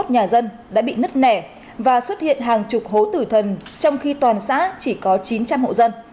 một trăm chín mươi một nhà dân đã bị nứt nẻ và xuất hiện hàng chục hố tử thần trong khi toàn xã chỉ có chín trăm linh hộ trợ